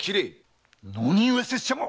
何故拙者が！